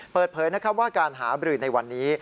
เปิดเผยว่าการหาบรืนในวันนี้